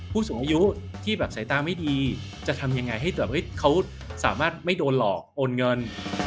ผู้สูงอายุที่แบบสายตาไม่ดีจะทำยังไงให้เขาสามารถไม่โดนหลอกโอนเงิน